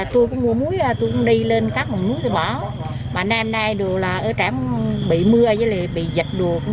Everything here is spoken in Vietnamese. tôi cũng mua muối tôi cũng đi lên các nguồn muối tôi bỏ mà nay hôm nay đùa là ở trãm bị mưa với lại bị dịch đùa